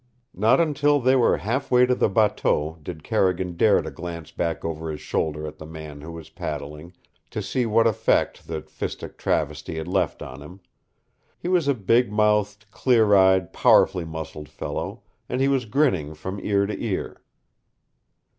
Not until they were half way to the bateau did Carrigan dare to glance back over his shoulder at the man who was paddling, to see what effect the fistic travesty had left on him. He was a big mouthed, clear eyed, powerfully muscled fellow, and he was grinning from ear to ear.